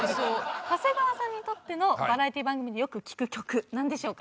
長谷川さんにとっての「バラエティ番組でよく聴く曲」何でしょうか？